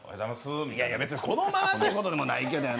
いやいや、別にこのままということでもないけどやな。